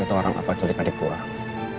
itu orang apa culik adik gue